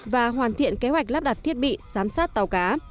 và hoàn thiện kế hoạch lắp đặt thiết bị giám sát tàu cá